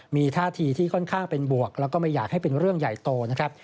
มีท่าทีที่ค่อนข้างเป็นบวกแล้วก็ไม่อยากให้เป็นเรื่องใหญ่โตนะครับ